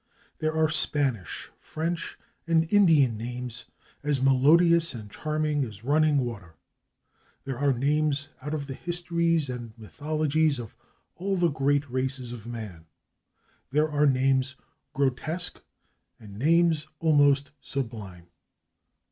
There are Spanish, French and Indian names as melodious and charming as running water; there are names out of the histories and mythologies of all the great races of man; there are names grotesque and names almost sublime.